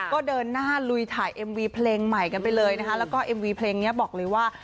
ก็เดินหน้าลุยถ่ายเอ็มวีเพลงใหม่กันไปเลยนะคะแล้วก็เอ็มวีเพลงนี้บอกเลยว่า